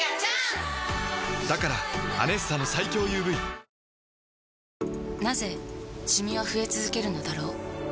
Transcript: だから「アネッサ」の最強 ＵＶなぜシミは増え続けるのだろう